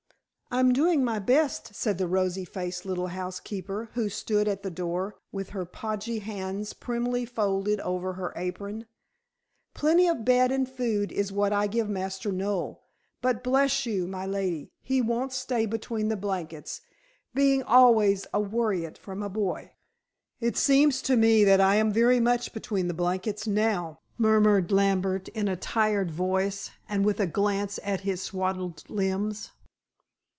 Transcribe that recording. "I'm doing my best," said the rosy faced little housekeeper, who stood at the door with her podgy hands primly folded over her apron. "Plenty of bed and food is what I give Master Noel; but bless you, my lady, he won't stay between the blankets, being always a worrit from a boy." "It seems to me that I am very much between the blankets now," murmured Lambert in a tired voice, and with a glance at his swathed limbs.